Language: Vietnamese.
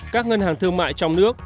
các ngân hàng thương mại trong nước